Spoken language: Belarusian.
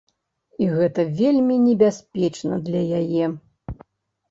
І гэта вельмі небяспечна для яе.